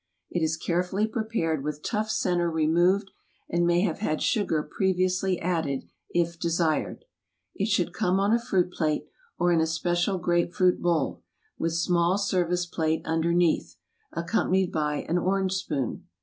It is carefully prepared with tough center removed, and may have had sugar previously added, if desired. It should come on a fruit plate, or in a special grape fruit bowl, with small service plate underneath, accom panied by an orange spoon.